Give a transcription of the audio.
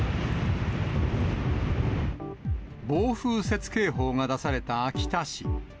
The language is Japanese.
暴風雪警報が出された秋田市。